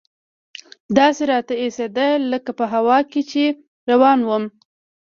داسې راته اېسېده لکه په هوا کښې چې روان اوسم.